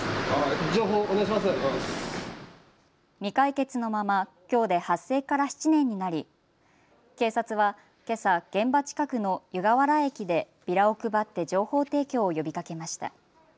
未解決のまま、きょうで発生から７年になり、警察はけさ現場近くの湯河原駅でビラを配って情報提供を呼びかけました。